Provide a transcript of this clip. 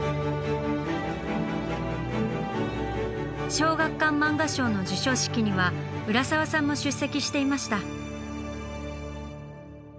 小学館漫画賞の授賞式には浦沢さんも出席していました。